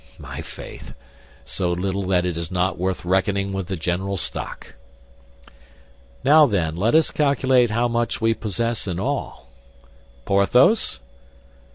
"My faith! So little that it is not worth reckoning with the general stock." "Now, then, let us calculate how much we posses in all." "Porthos?"